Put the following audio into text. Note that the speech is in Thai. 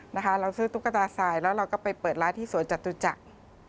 เราซื้อตุ๊กตาสายแล้วเราก็ไปเปิดร้านที่สวนจตุจักร